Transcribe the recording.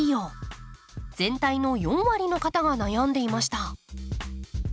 全体の４割の方が悩んでいました。